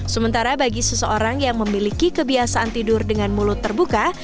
sementara bagi seseorang yang memiliki kebiasaan tidur dengan mulut terbuka